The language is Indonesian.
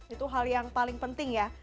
itu hal yang paling penting ya